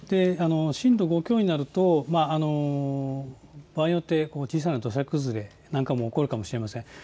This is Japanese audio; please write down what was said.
震度５強になると場合によって小さな土砂崩れ、何回か起こるかもしれません。